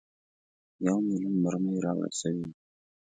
یو میلیون مرمۍ راوړل سوي وې.